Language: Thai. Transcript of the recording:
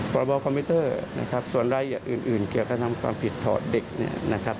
ประวัติบัญชัยภาพคอมมิเตอร์นะครับส่วนรายละเอียดอื่นเกี่ยวกับความผิดถอดเด็กเนี่ยนะครับ